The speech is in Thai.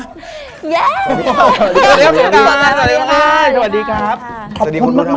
สวัสดีครับสงกราศ